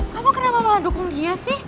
kamu kenapa malah dukung dia sih